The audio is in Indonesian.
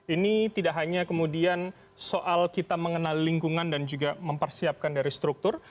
ini tidak hanya kemudian soal kita mengenal lingkungan dan juga mempersiapkan dari struktur